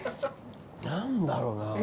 何だろうな？